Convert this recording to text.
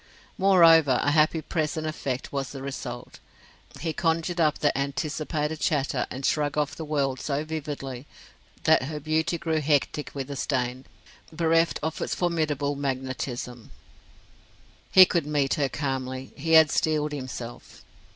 Moreover, a happy present effect was the result. He conjured up the anticipated chatter and shrug of the world so vividly that her beauty grew hectic with the stain, bereft of its formidable magnetism. He could meet her calmly; he had steeled himself.